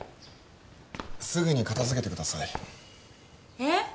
すぐに片付けてくださいえっ？